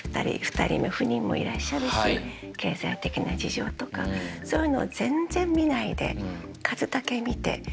２人目不妊もいらっしゃるし経済的な事情とかそういうのを全然見ないで数だけ見て。